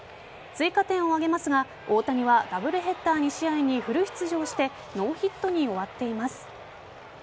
追加点を挙げますが大谷はタブルヘッダー２試合にフル出場してノーヒットに終わっています。